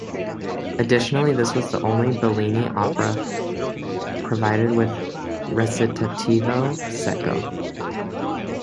Additionally, this was the only Bellini opera provided with "Recitativo secco".